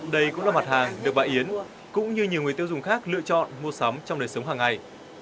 đây cũng là mặt hàng được bại yến cũng như nhiều người tiêu dùng khác lựa chọn mua sắm trong đời sống hàng ngày